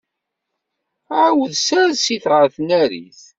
Ɛawed ssers-it ɣef tnarit.